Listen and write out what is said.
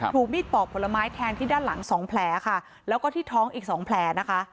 ถูกมีดปอกผลไม้แทงที่ด้านหลังสองแผลค่ะแล้วก็ที่ท้องอีกสองแผลนะคะ